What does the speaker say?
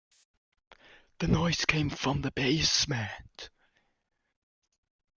The noise came from the basement.